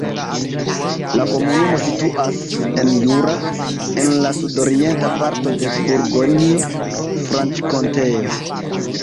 La komunumo situas en Jura, en la sudorienta parto de Burgonjo-Franĉkonteo.